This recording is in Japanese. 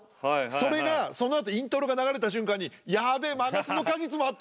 それがそのあとイントロが流れた瞬間に「やべ『真夏の果実』もあった」みたいな。